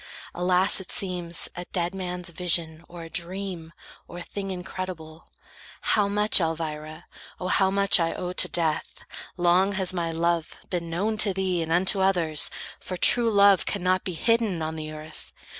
Alas, it seems A dead man's vision, or a dream, or thing Incredible! How much, Elvira, O, How much I owe to death! Long has my love Been known to thee, and unto others, for True love cannot be hidden on the earth.